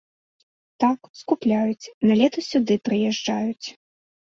Так, скупляюць, на лета сюды прыязджаюць.